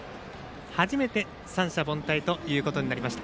初めて三者凡退ということになりました。